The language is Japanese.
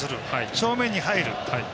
正面に入る。